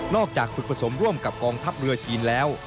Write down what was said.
ฝึกผสมร่วมกับกองทัพเรือจีนแล้ว